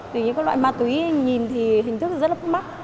từ những cái loại ma túy nhìn thì hình thức rất là phúc mắt